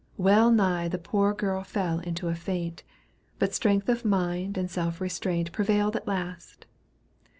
Well nigh The poor girl fell into a faint, But strength of mind and self restraint Prevailed at last.